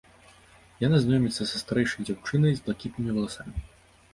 Яна знаёміцца са старэйшай дзяўчынай, з блакітнымі валасамі.